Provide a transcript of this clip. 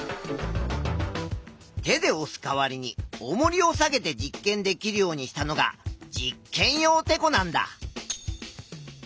手でおす代わりにおもりを下げて実験できるようにしたのが実験用てこなんだ。